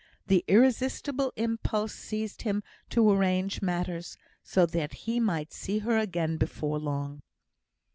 The irresistible impulse seized him to arrange matters so that he might see her again before long.